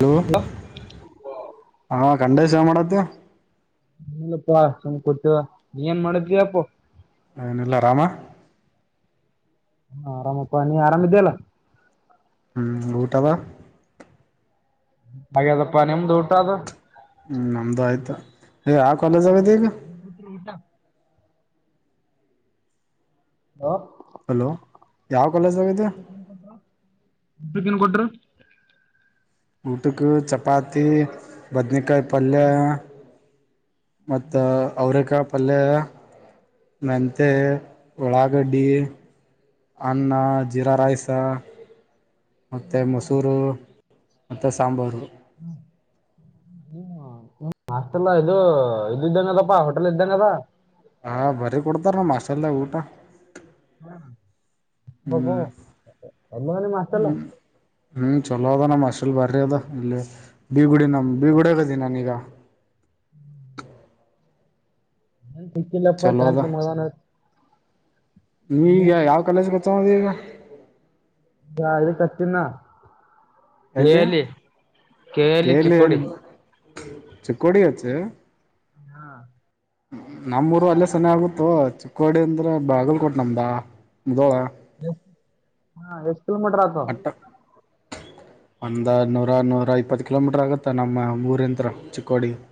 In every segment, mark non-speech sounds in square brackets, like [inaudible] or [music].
ನೀವು ಹಾಂ ಕಂಡೇಶವ ಮಾಡದ್ಯ ಹಿಲ್ಲಪ್ಪಾ ಸುಮ್ ಕೊಂತಿವ್ ನೀ ಏನ್ ಮಾಡಿದ್ದವಪ್ಪ ಏನಿಲ್ಲ ಆರಾಮಾ ಹಾ ಆರಾಮಪ್ಪಾ ನೀ ಆರಾಮ್ ಇದ್ದೀಯಲ್ಲಾ ಹ್ಮ್ ಊಟವ ಹಾಗದಪ್ಪಾ ನಿಮ್ದು ಊಟ ಅದು ಹ್ಮ್ ನಮ್ದು ಆಯ್ತಾ ಯ ಕಾಲೇಜ್ ಆದಿಯಾ ಈಗ ಪ ಊಟ ಹ ಹಲೋ ಯಾವ ಕಾಲೇಜ್ಗ ಇದ್ದೀಯಾ ಕೊ ಇಬಕ್ಕ ನ್ ಕೊಟ್ರು ಊಟಕ್ಕೂ ಚಪಾತಿ ಬದನೇಕಾಯಿ ಪಲ್ಯ ಮತ್ತೆ ಅವರೇಕಾಯಿ ಪಲ್ಯ ಮೆಂತ್ಯೆ ಉಳ್ಳಾಗಡ್ಡಿ ಅನ್ನ ಜೀರಾ ರೈಸ ಮತ್ತೇ ಮೊಸೂರು ಮತ್ತೇ ಸಾಂಬಾರು ಹ್ಮ ಆತಲ್ಲ ಇದು ಇದ ಇದ್ದಂಗ ಅದಪ್ಪಾ ಹೋಟೆಲ್ ಇದ್ದಂಗದ. ಹಾ ಬರಿ ಕೊಡ್ತಾರೆ ನಮ್ ಹಾಸ್ಟೆಲ್ದಾಗ ಊಟ ಹ ಹ್ಞೂ ಹೋಗು ಹೆಂಗ್ ಇದ್ದೇ ನಿಮ್ಮ ಹಾಸ್ಟೆಲ್. ಹ್ಞೂ ಹ್ಮ್ ಚಲೋ ಅದ ನಮ್ಮ್ ಹಾಸ್ಟೆಲ್ ಬರ್ರಿ ಅದ ಇಲ್ಲಿ ಬೀಗುಡಿ ನಮ್ಮ ಬೀಗುಡಾಗದ ನಾನೀಗ. ಹ [unintelligible] ನನ್ ಸಿಕ್ಕಿಲ್ಲಪ್ಪಾ ಚಲೋ ಟ್ಯಾಂತ್ ಮಗನ್ ನೀವ ಈಗ ಯಾವ ಕಾಲೇಜಗ ಹಚ್ಚವದಿ ಈಗ? [inaudible] ನಾ ಇದಕ್ಕ ಹಚ್ಚತಿನ ನಾ ಕೆ ಎಲ್ಲಿ L E K L E Chikkodi. [inaudible] ಚಿಕ್ಕೊಡಿಗ ಹಚ್ಚಿ. [inaudible] ಹಾ [inaudible] ನಮ್ಮ ಊರು ಅಲ್ಲೇ ಸನೆ ಆಗುತ್ತ ಚಿಕ್ಕೋಡಿ ಅಂದ್ರೆ ಬಾಗಲ್ಕೋಟ್ ನಮ್ದ ಮುದೋಳ. [inaudible] ಎ ಹಾ ಎಷ್ಟ ಕಿಲೋಮೀಟರ್ ಆತೂ [inaudible] ಅಂದಾಜ ನೂರ ನೂರ ಇಪ್ಪತ್ತ ಕಿಲೋಮೀಟರ್ ಆಗುತ್ತಾ ನಮ್ಮ ಊರಿಂತ್ರ ಚಿಕ್ಕೋಡಿ. [inaudible]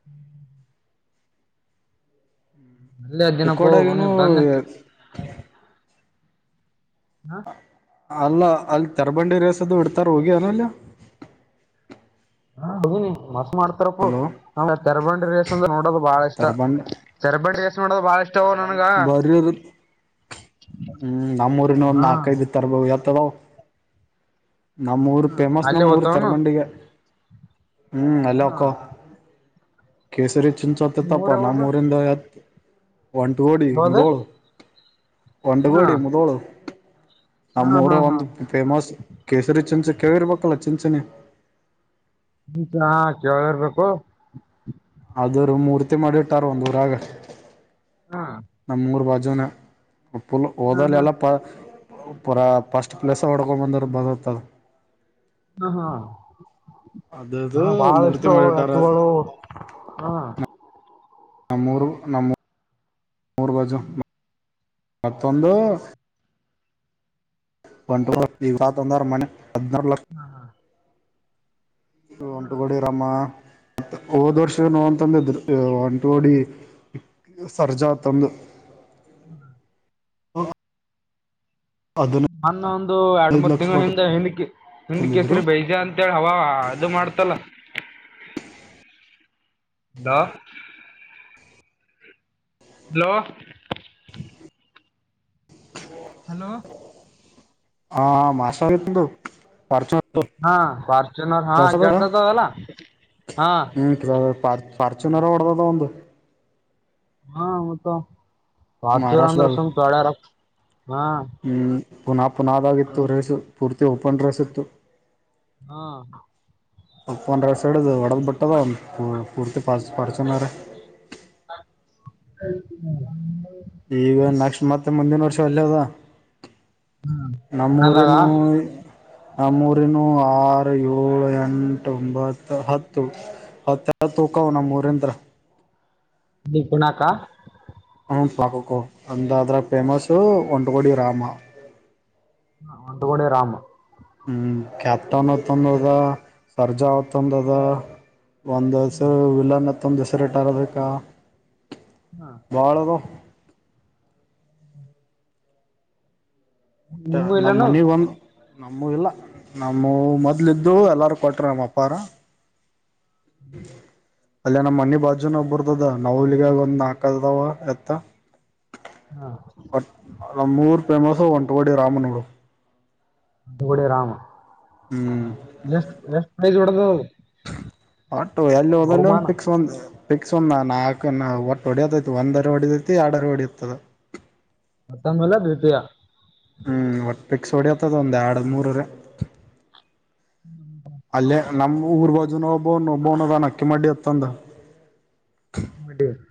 ಹ್ಞ ಅಲ್ಲೇ ಅದಿನಪ್ಪ ಚಿಕ್ಕೋಡಿಗ ನೀ ಇನ್ನು ಬಂದ್ ಎ [inaudible] ಹಾ ಅಲ್ಲ ಅಲ್ಲಿ ತರಬಂಡಿ ರೇಸದು ಇಡ್ತಾರ ಹೋಗಿ ಏನ್ ಅಲ್ಲಿ. [inaudible] ಹೋಗುನ ಮಸ್ತ ಮಾಡ್ತಾರಪೋ ಹಲೋ ನಾವ ತರ್ಬಂಡಿ ರೇಸ್ ಅಂದ್ರ ನೋಡೋದು ಬಾಳ ಇಷ್ಟ. ತರಬಂಡಿ [inaudible] ಚರಬಡಿಸ್ ರೇಸ್ ನೋಡೋದು ಬಾಳ ಇಷ್ಟ ನನ್ [inaudible] ಮರಿದು. [inaudible] ಹೂ ನಮ್ಮೂರಿನ ಒಂದ್ ಹಾ ನಾಲ್ಕೈದು ತರಬ ಎತ್ತ ಅದಾವ. [inaudible] ನಮ್ಮ ಊರು ಫೇಮಸ್ ಅಲ್ಲಿ ನಮ್ಮಊರು ಹೋತವನು. ಚರಮಂಡಿಗೆ [inaudible] ಹೂ ಅಲ್ಲೇ ಹಾ ಹೋಕ್ಕೋವ [inaudible] ಕೇಸರಿ ಚಿನ್ಸತ್ತ ನಿಮ್ಮೂರ್ ತಪ್ಪ ಯಾವ್ದು ನಮ್ಮ ಊರಿಂದ ಹೊಂಡಗೋಡಿ ಮುದೋಳು [inaudible] ಹಾ ಹಾ ಹೊಂಡಗೋಡಿ ಮುದೋಳು ಹಾ ನಮ್ಮೂರ ಹಾ ಹಾ ಒಂದ ಫೇಮಸ್ ಕೇಸರಿ ಚಿಂಚಿ ಕೇಳಿರ್ಬೇಕಲ್ಲ ಚಿಂಚಿನಿ. ನಾ ಕೇಳರ್ಬೇಕು. [inaudible] ಅದರುವ ಮೂರ್ತಿ ಮಾಡಿಟ್ಟಾರ ಒಂದ ಊರಾಗ. [inaudible] ಹಾ [inaudible] ನಮ್ಮ ಊರ ಬಾಜುನ ಉಪ್ಪುಲ್ ಹಾ ಹಾ ಹೋದಲೆಲ್ಲಾ ಪಾ [inaudible] ಪೂಪರಾ ಫಸ್ಟ್ ಪ್ಲೇಸ್ ಹೊಡ್ಕೊ ಬಂದ್ರರು ಬದತ್ತದ [inaudible] ಹ ಹ ಅದದು ನಾ ಮೂರ್ತಿ ಬಾಳಷ್ಟು ಮಾಡಿಟ್ಟಾರ ಎತ್ತುಗಳು ಹ [inaudible] ನಮ್ಮೂರು ನಮ್ಮ ಊರ ಬಾಜು ಮತ್ತೊಂದು [inaudible] ಬಂಡವಾ ತೀರ್ಥ ತಂದರ್ ಮನ್ನೆ ಹದನಾರ ಲಕ್ಷ [inaudible] ಹೂ ತುಗಡಿ [inaudible] ತಮ್ಮ ಹೋದ ವರ್ಷ ನೋನ ತಂದಿದ್ದರಿ ಹೊಂಟವಡಿ. [inaudible] ಸರ್ಜಾ ಅಂತ ಅಂದು [inaudible] [inaudible] ಹದಿನೈದು ನನ್ನ ಒಂದು ಎರಡ್ ಮೂರ್ ಲಕ್ಷ ತಿಂಗಳ ಕೊಟ್ಟು ಹಿಂದ ಹಿಂದಕೀ ಹಿಂದ ತಂದಿದ್ರು ಕೆಸರ ಬೈಜ ಅಂ [inaudible] ಅಂತ ಅಲ್ಲ ಹವಾ ಇದು ಮಾಡ್ತಲ್ಲ. [inaudible] Low [inaudible] hello? [inaudible] ಹಲೋ? ಹಾ ಹ ಮಾಸ ನಿತಂತು ಪರಚೊರ [inaudible] ಹಾ ಫಾರ್ಚುನರ್ ಹಾ ಕೆಲಸತ್ತದ ಅಲ್ಲ ಹಾ [inaudible] ಲೋ ಪಾ ಪಾರ್ಚುನರ ಒಡದದ ಒಂದು [inaudible] ಹಾ ಮತ್ತ ಪಾರ್ಚುನರ ಅಂದ್ರ ಮಹಾರಾಷ್ಟ್ರದಾಗ ಸುಮ್ಮ ತೋಳಾರ ಅಂತ ಹಾ [inaudible] ಪುನಾ ಪುನಾ ದಾಗಿತ್ತು ರೇಸು ಪೂರ್ತಿ ಓಪನ್ ರೇಸ್ ಇತ್ತು. ಹಾ [inaudible] ಓಪನ್ ರೇಸ್ ಸೈಡ್ ಹೊಡದ್ ಬಿಟ್ಟದ ಹ ಫುಡ್ ಪರ್ಚ್ ಪರ್ಚ್ನರ್. [inaudible] [inaudible] [unintelligible] ಈಗ ನೆಕ್ಸ್ಟ್ ಮತ್ತ ಮುಂದಿನ ವರ್ಷ ಅಲ್ಲೇ ಅದ. [inaudible] ನಮ್ಮ ಮದಾಗ ಊರಿನವು [inaudible] ಆ ನಮ್ಮ ಊರಿನವು ಆರು, ಏಳು, ಎಂಟೊಂಬತ್ತು ಹತ್ತು, ಹತ್ತು ಹತ್ತು ಒಕ್ಕಾವನಮ್ಮ ಊರಿಂದ. ನಿಪುಣಕಾ [unintelligible] ಹ್ಮ್, ಪಾಕಕ್ಕ [unintelligible] ಒಂದ್ ಅದ್ರಗ ಫೇಮಸ್ ಒಂಟಗೋಡಿ [unintelligible] ರಾಮ ಹ ಒಂದುಗಣ ರಾಮ [unintelligible] ಹ್ಮ್, ಕ್ಯಾಪ್ಟನ್ತ್ಂದದ ಸರ್ಜಾ ತಂದದ ಹ ಒಂದುಸಲ ವಿಲನ್ತ್ತೊಂದು [unintelligible] ದಸ ರೇಟ್ ಆರಬೇಕಾ ಹಾ. [inaudible] ಬಾಳದು. [inaudible] [unintelligible] ಮ ನಿಮ್ಮೂ ನಾವ್ ಇಲ್ಲೇನು ಮನಗ ಒಂದು [unintelligible] ನಮ್ಮೂವು ಇಲ್ಲ ನಮ್ಮೂ ಮೊದಲಿದ್ದು ಎಲ್ಲರೂ ಕೊಟ್ಟಾರನಮ್ಮ ಅಪ್ಪಾರ. [inaudible] ಅಲ್ಲ ನಮ್ಮ್ ಮನಿ ಬಾಜುನ ಒಬ್ಬರ್ದದ ನೈವಲಿದಾಗ ಒಂದ್ ಹಾಕದವ ಎತ್ತ ಹಾ, ನಮ್ಮ್ಊರು ಫೇಮಸ್ ಒಂಟಗುಡಿ ರಾಮನೂಡು ಡಿ ರಾಮ ಎಷ್ಟ ಎಷ್ಟಡದು [unintelligible] ಆಟೋ ಎಲ್ಲೊದಲ್ಲೊಂದ ಪಿಕ್ಸ್ ಒಂದ್ ಪಿಕ್ಸ್ ಒಂದು ನಾಲ್ಕು ನ ಒಟ್ಟ ಹೊಡಿಯೋತೈತಿ ಒಂದರಹೊಡಿತೈತಿ ಎರಡರ ಹೊಡಿಯತದ. ಮತ್ತ ಆದ್ಮೆಲೆ ದ್ವಿತೀಯ ಹ್ಮ್, ಒಟ್ಟ ಪಿಕ್ಸ್ ಹೊಡಿಯತದ ಒಂದ್ ಎರಡ್, ಮೂರ ಹ್ಮ [inaudible] ಅಲ್ಲೇ ನಮ್ಮ್ ಊರ್ ಬಜುನಬ ಒಬೋನದಾನ ಅಕ್ಕಿ ಮಾಡಡಿ ಅತ್ತಂದ [unintelligible] ಮದರ್ [inaudible]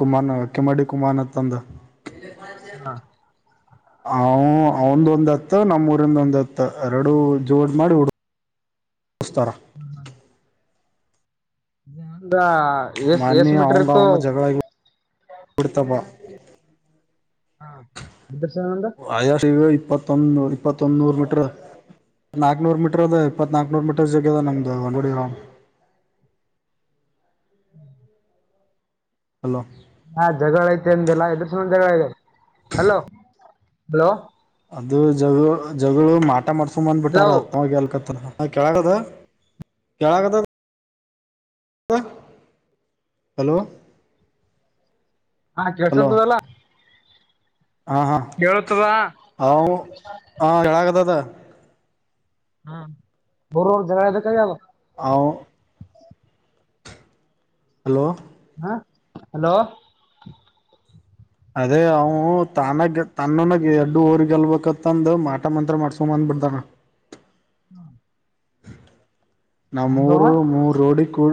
ಕುಮಾನ ಕೆ ಮಾಡ [unintelligible] ಡಿ ಕುಮಾರ್ನ್ ತಂದ ಹಾ ಹ, ಅವಂದ ಒಂದ್ ಎತ್ತ ನಮ್ಮೂರಿಂದ ಒಂದ್ ಎತ್ತ ಎರಡು ಜೋಡ್ ಮಾಡಿ ಉಿಸಸ್ತರಾ [unintelligible] ಹದಾ [inaudible] ಮೊನ್ನೆ ಅವಂಗ -ಅವಂಗ ಜಗಳ ಬಿಡ್ತ ಹಾ, ಎದರ್ಶನಂದ ವಾಯರಇಪ್ಪತ್ತೊಂದ್ನೂರ- ಇಪ್ಪತ್ತೊ ನೂರು ಮೀಟ್ರು ನಾಕ್ನೂರ್ ಮೀಟರ್ ಅದ ಇಪ್ಪತ್ ನಾಕ್ನೂರ್ ಮೀಟರ್ ಜಗ್ಗದ ನಮ್ದು. ಹಲೋ, ಹಾ, ಜಗಳ ಆಯ್ತತಂದೆಲ್ಲಾ ಎದ್ರ ಸಂಬಂದ ಜಗಳ ಆಗದ ಅಲೋ, ಹಲೋ ಅದು ಜಗಳ ಜಗಳು ಮಾಟ ಮಾಡ್ಸೊಂಬಂದ್ಬಿಟ್ಟಾರ. [unintelligible] ಹಲೋ ಅತ್ತವಾಗಿ ಅಕತ್ತಾರ ಹಾ ಕೆೇಳಾಗ [unintelligible] ದ ಕೆೇಳಾಗದದ ಹಲೋ, ಹಾ, ಹಲೋ ಕೆಲ್ಸತದಲ್ಲಾ ಹಾ, ಹಾ ಕೆಳ್ಸತದ ಅವ ಹಾ, ಕೆಳಕತದ ಹ್ಮ್, ಊರರು ಜಗಳದೇಕಾಗದ ಅವ [unintelligible] ಹಲೋ, ಹಾ, ಹಲೋ ಅದೇ ಅವು ತಾನೆಗ ತನ್ನನಾಗ ಎಡ್ಡುಒರಿ ಗೆಲ್ಬೆಕತ್ತಂದ ಮಾಟ ಮಂತ್ರ ಮಾಡ್ಸ್ಕೊಂಡ ಬಂದ್ ಬಿಡ್ದಾನ. [inaudible] ಹಾ ನಾ ಮೂರು ಹ ಮೂರು ರೋಡಿ ಕೂ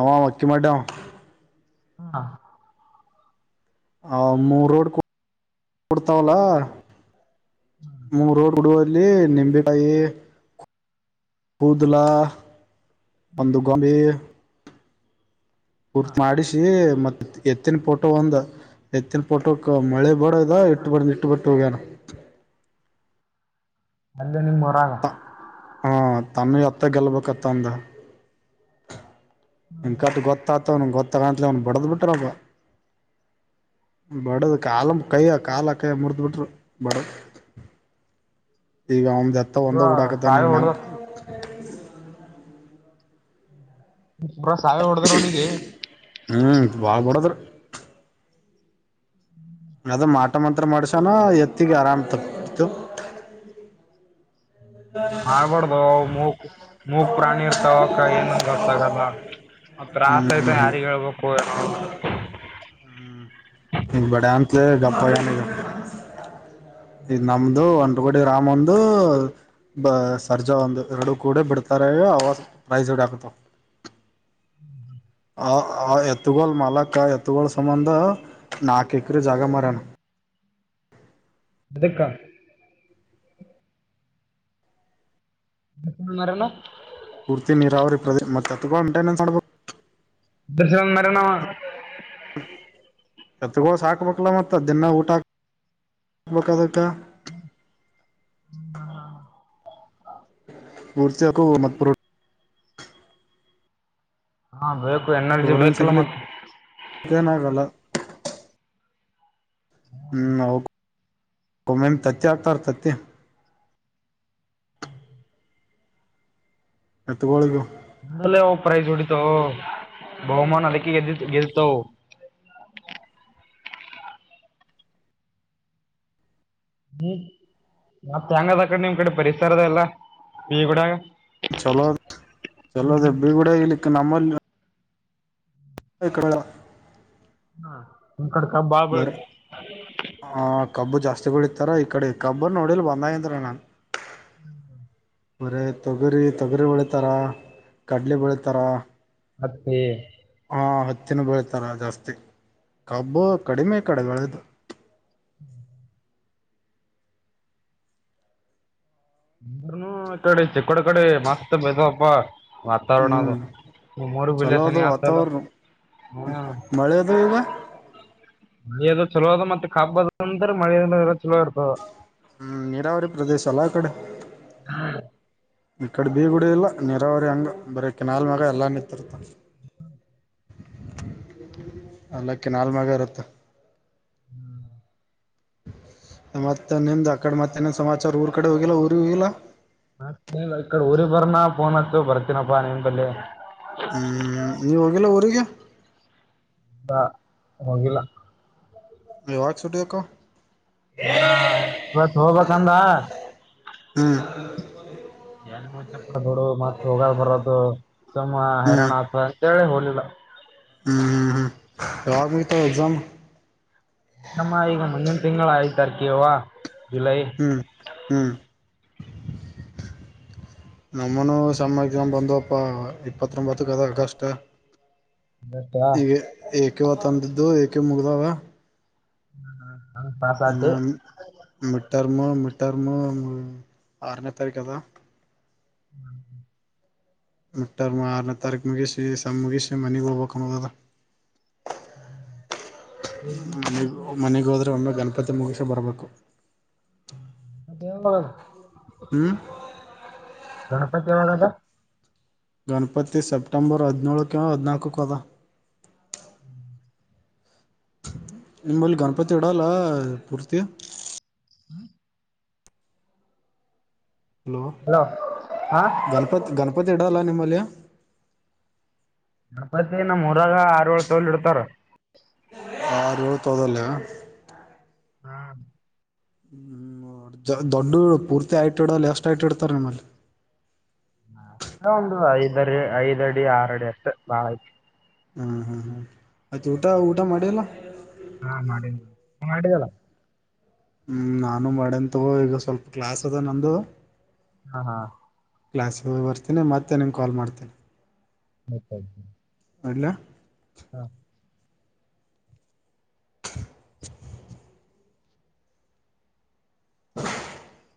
ಅವ ಅಕ್ಕಿ ಮಾಡ್ಯಾವ ಹಾ ಹ ಮೂರ ರೋಡ್ ಕೂಡ್ತಾವಲ್ಲ ರೋಡ್ ಕೂಡ ಇಲ್ಲಿ ನಿಂಬೆಕಾಯಿ ಕೂದಲಾ ಒಂದು ಗೊಂಬೆ ಎ ಕೂರ್ತ ಮಾಡಿಸಿ ಮತ್ ಎತ್ತಿನ ಪೋಟೋ ಒಂದ್ ಎತ್ತಿನ ಪೋಟೋಕ್ ಮಳೆ ಬಡದ್ [unintelligible] ಅಲ್ಲೇ ನಿಮ್ ಹೊರಾಗ ಹಾ ತಮೂನ ಎತ್ತ ಗೆಲ್ಬೇಕತ್ತ ಅಂದ ಅಂಕಂತ ಕಟ್ಟ ಗೊತ್ತ ತಾವ್ನಗೆೊತ್ತಾಗಾಣ ಅವ್ನು ಬಡದ್ ಬಿಟ್ರಪ್ ಬಡದ ಕಾಲ ಕೈ ಕಾಲ ಮುರಿದ್ ಬಿಟ್ರು ಬಡದ ಈಗ ಇಲ್ಲಾ ಅಂದ್ರೆ ತ ಒಂದ ಪೂರ ಹೂಡಾಕತಾನೆ ಸಾವಿ ನವ ಹೊಡ್ದ ಪುರ ಸಾಯಿ ಹೊಡದ್ರ ಅವನಿಗೆ ಹ್ಮ್ ಬಾಳ ಹೊಡದ್ರ ಹ್ಮ್ ಅದು ಮಾಟ ಮಂತ್ರ ಮಾಡ್ಸನೊ ಎತ್ತಿಗೆ ಆರಾಮ್ ತಪ್ಪ ಮಾಡ್ಬಾರಡ್ದು ಮೂಕ್ ಮೂಕ್ ಪ್ರಾಣಿ ಇರ್ತಾವಕ್ಕ ಏನ್ ಗೊತ್ತಾಗಲ್ಲ ತ್ರಾಸ್ ಆಯ್ತ ಹ್ಮ್ ಯಾರಿಗ್ ಹೇಳ್ಬೇಕು ಏನೋ ಇ ಬಡ ಅಂತ ಗಪ್ಪ ಇನ್ ನಮ್ದು ಒಂದ್ ತೋಗಡೆ ರಾಮಂದು ಬ ಸರ್ಜಾ ಒಂದು ಎರಡು ಕೂಡೆ ಬಿಡ್ತಾರೆ ಅವಾಗ ಪ್ರೈಸ್ ಎರಡ ಆಕ್ತವೆ ಆ ಆ ಎತ್ತಗೋಳ ಮಾಲಕ್ಕ ಎತ್ತಗೋಳ ಸಂಬಂಧ ನಾಕ್ ಎಕರೆ ಜಾಗ ಮಾರೆಯಾನ ಎದಕ್ಕ [unintelligible] ಪೂರ್ತಿ ನೀರಾವರಿ ಪ್ರದೇಶ ಮತ್ತ ಮಂಟೈನ್ಸ್ ಮಾಡಬುದು [unintelligible] ಎತೋಗಳ ಸಾಕಬೇಕಲ ಮತ್ತ ದಿನ ಊಟಾ ಹಾಕ್ಬೇಕ ಅದಕ್ಕ ಹ್ಮ ಹಾ ಪೂರ್ತಿಯಕು ಮತ್ತ ಹಾ ಬೇಕು ಎನರ್ಜಿ ಬೇಕಲ್ಲ ಮತ್ತೆ ಅತ್ತೇನ ಆಗಲ್ಲ ಹ್ಮ್ಂ ಒಮ್ಮೊಮ್ಮೆ ತತ್ತಿ ಹಾಕ್ತಾರ ತತ್ತಿ ಹ್ಮ ಎತ್ತ ಗೋಳಿಗಿ ನಲ್ಲ ಪ್ರೈಜ್ ಹೊಡಿತವೋ ಬಹುಮಾನ ಅಲ್ಲಿಕ್ಕೆಗೆದ ಗೆಲ್ತವೋ ಹ್ಮ್ ಮತ್ತ ಹೆಂಗ ಅದ ಅಕಡೆ ನಿಮ್ ಕಡೆ ಪರಿಸರದ ಎಲ್ಲ ಈ ಗೂಡಗ ಚಲೋ ಚಲೋದ ಬಿಗೂಡ ಇಲಿಕ್ಕೆ ನಮ್ಮಲ್ಲಿ [unintelligible] ಹಾ ಹ ಕಡೆ ಕಬ್ ಬಾಳ ಬರ ಆ ಕಬ್ಬ ಜಾಸ್ತಿ ಬೆಳಿತಾರ ಈ ಕಡೆ ಕಬ್ಬು ನೋಡಿಲಿ ಬಂದಾಗಿಂದರ ನಾನ್ ಹ್ಮ ಮಾರಯ ತೊಗರಿ ತೊಗರಿ ಬೆಳಿತಾರ ಕಡ್ಲಿ ಬೆಳತಾರ. ಹತ್ತಿ ಹಾ ಹತ್ತಿನ ಬೆಳತಾರ ಜಾಸ್ತಿ ಕಬ್ಬು ಕಡಿಮೆ ಇಕಡೆ ಬೆಳೆದು [inaudible] ಅಂದ್ರನು ಇ ಕಡೆ ಚಕ್ಕಡ ಕಡೆ ಮಸ್ತ್ ಬತಪ್ಪ. ವಾತಾವರಣದ ಹ್ಮ್ ನಿಮ್ಮ ಊರ ಇಲ್ಲೇ ಸನಿ ಆತದ ಅಲಾ ಮಳಿ ಅದು ಈಗ ಮಳೆದು ಚಲೋ ಅ ಮತ್ತ ಕಬ್ಬ ಅದ ಅಂತ ಮಳೆ ಚಲೋ ಇರ್ತದ. ಹ್ಮ ನೀರಾವರಿ ಪ್ರದೇಶ ಅಲ್ಲ ಅಕಡ ಹಾ ಈ ಕಡೆ ಬೀಗುಡ ಇಲ್ಲ ನೀರಾವರಿ ಹಂಗ ಬರ ಕಿನಾಲ್ ಮೆಗಾ ಎಲ್ಲ ನಿತ್ತರ್ತ ಅಲ್ಲ ಕಿನಾಲ್ ಮಾಗ ಇರತ್ತ. ಹ್ಮ್. ಮತ್ತ ನಿಂದ ಆ ಕಡೆ ಮತ್ತನ್ ಸಮಾಚಾರ ಊರ್ ಕಡೆ ಹೋಗಿಲ್ಲ ಊರಿಗ ಹೋಗಿಲ್ಲ. ಹ ಈಕಡೆ ಊರಿಗ ಬರ್ನ ಫೋನ್ ಹಚ್ಚು ಬರ್ತೀನಪ್ಪಾ ನಿನ್ ಬಲ್ಲಿ. ಹ್ಮ ನೀ ಹೋಗಿಲ್ಲ ಊರಿಗಿ ಹಾ ಹೋಗಿಲ್ಲ. ಯಾವಾಗ ಸುಟಿ ಆಕವ. ಆ ಇವತ್ತ ಹೋಗಬೇಕ ಅಂದ ಹ್ಮ. [inaudible] ನ್ ದುಡು ಮತ್ತ ಹೋಗ ಬರೋದು ಸುಮ್ಮ ಹ್ಮ್ ಹೈರಾಣ ಆತ ಅಂತೇಳಿ ಹೋಗಿಲ್ಲ. ಹ್ಮ್ ಹ್ಮ್ ಹ್ಮ್ ಯಾವಾಗ ಮುಗಿತಾವ ಎಕ್ಸಾಮ್. ನಮ್ಮ ಈಗ ಮುಂದಿನ ತಿಂಗಳು ಆಯ್ತಾರ ಕೆವ ಜುಲೈ ಹ್ಮ ಹ್ಮ ನಮ್ಮನುೂ ಸೆಮ್ಮ ಎಕ್ಸಾಮ್ ಬಂದಪ್ಪ ಇಪ್ಪತ್ತೊಂಬತ್ರಕ್ಕೆದ ತಸ್ಟ್ ಆಗಸ್ಟ್ ಎ ಏಕೆವ ತಂದಿದ್ದು ಏಕೆ ಮುಗ್ದಾವ. [unintelligible] ಆತು ಇನ್ನ ಮಿಟರ್ಮ ಮೀಟರ್ಮ್ ಆರನೇ ತಾರೀಕದಾ. [inaudible] ಮೀಟ್ಟರ್ಮ ಆರನೇ ತಾರೀಕ ಮುಗಿಸಿ ಸೇಮ್ ಮುಗಿಸಿ ಮನಗ ಹೋಗಬೇಕುಣೋದ ಅದ. ಮನೆ ಮನೆಗೋದ್ರ ಒಮ್ಮೆ ಗಣಪತಿ ಮುಗಸ ಬರ್ಬೇಕು. ದೇವ ಹ್ಮ. ಗಣಪತಿ ಯಾವಾಗದ. ಗಣಪತಿ ಸೆಪ್ಟೆಂಬರ್ ಹದಿನೇಳಕ್ಕ ಹದಿನಾಕ್ಕಕ ಅದ. [inaudible] ನಿಮ್ಮಲ್ಲಿ ಗಣಪತಿ ಇಡಲ್ಲ ಪೂರ್ತಿ. ಹ್ಮ. ಹಲೋ ಹಲೋ ಹಾ ಗಣಪತಿ ಗಣಪತಿ ಇಡಲ್ಲ ನಿಮ್ಮಲ್ಲಿ ಗಣಪತಿ ನಮ್ಮುರಾಗ ಆರಏಳ ತೊಲ್ ಇಡ್ತಾರ. ಆರ ಏಳ್ ತೊದಲ್ಲಿ ಹಾ ಹ್ಮ ದೊಡ್ಡ ಪೂರ್ತಿ ಐಟ್ ಇಡಲ್ಲ ಎಷ್ಟ ಐಟ್ ಇಡ್ತಾರ ನಿಮ್ಮಲ್ಲಿ ಒಂದು ಐದಡಿ ಐದ ಅಡಿ ಆರ ಅಡಿ ಅಷ್ಟ ಬಾಳ ಆಯ್ತು ಹಾ ಹಾ ಹಾ ಆಯ್ತ ಊಟ ಊಟ ಮಾಡಿಲ್ಲ ಹಾ ಮಾಡಿನಿ ಮಾಡಿದಲ್ಲ. ಹ್ಮ್ ನಾನು ಮಾಡೇನ್ ತಗೋ ಈಗ ಸ್ವಲ್ಪ ಕ್ಲಾಸ್ ಅದ ನಂದು. ಹಾ ಹಾ ಕ್ಲಾಸಗೆ ಹೋಗ್ ಬರ್ತೀನಿ ಮತ್ತೆ ನಿಮಗೆ ಕಲ್ ಮಾಡ್ತೀನಿ. ಹತ [unintelligible] ಅಲ್ಲ [unintelligible] ಹಾ [unintelligible] [inaudible]